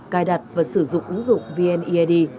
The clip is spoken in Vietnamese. cài đặt và sử dụng ứng dụng vnead